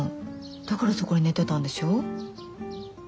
だからそこに寝てたんでしょ。